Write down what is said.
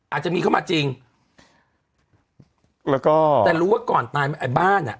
อาจจะมีเข้ามาจริงแล้วก็แต่รู้ว่าก่อนตายมาไอ้บ้านอ่ะ